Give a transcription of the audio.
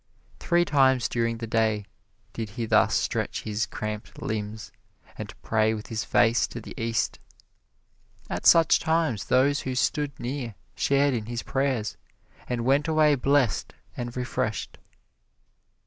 Three times during the day did he thus stretch his cramped limbs, and pray with his face to the East. At such times those who stood near shared in his prayers, and went away blessed and refreshed.